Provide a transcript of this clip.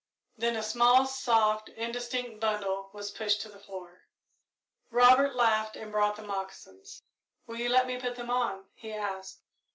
Then a small, soft, indistinct bundle was pushed to the floor. Robert laughed and brought the moccasins. "Will you let me put them on?" he asked.